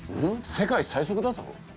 世界最速だと？